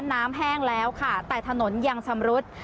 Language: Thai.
แห้งแล้วค่ะแต่ถนนยังชำรุด